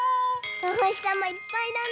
おほしさまいっぱいだね。